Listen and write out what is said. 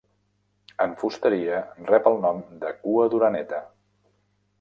En fusteria rep el nom de cua d'oreneta.